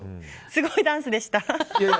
すごいダンスでした？